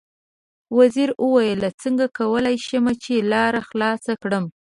وزیر وویل: څنګه کولای شم چې لاره خلاصه کړم.